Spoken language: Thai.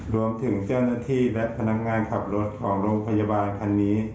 รวมถึงเจ้าหน้าที่และพนักงานขับรถของโรงพยาบาลคันนี้